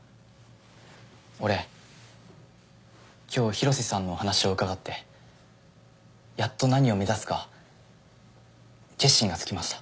俺今日広瀬さんのお話を伺ってやっと何を目指すか決心がつきました。